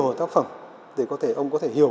với những cái tác phẩm để ông có thể hiểu